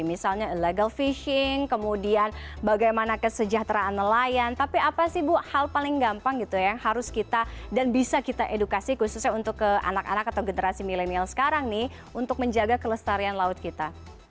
misalnya illegal fishing kemudian bagaimana kesejahteraan nelayan tapi apa sih bu hal paling gampang gitu ya yang harus kita dan bisa kita edukasi khususnya untuk ke anak anak atau generasi milenial sekarang nih untuk menjaga kelestarian laut kita